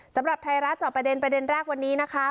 สำหรับไทยรัฐจอบประเด็นประเด็นแรกวันนี้นะคะ